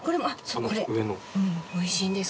うんおいしいんです